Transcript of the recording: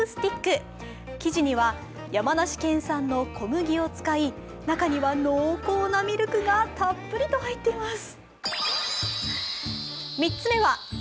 生地には、山梨県産の小麦を使い中には濃厚なミルクがたっぷりと入っています。